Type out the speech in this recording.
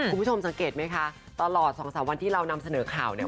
คุณผู้ชมสังเกตไหมคะตลอด๒๓วันที่เรานำเสนอข่าวเนี่ย